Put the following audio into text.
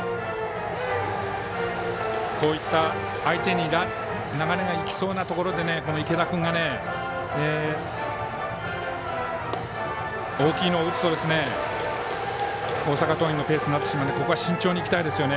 こういった相手に流れがいきそうなところで池田君が大きいのを打つと大阪桐蔭のペースになってしまうのでここは慎重にいきたいですね。